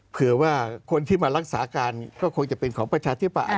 เผื่อว่าคนที่มารักษาการก็คงจะเป็นของประชาธิปไตย